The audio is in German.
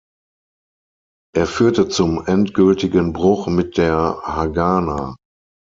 Er führte zum endgültigen Bruch mit der Hagana.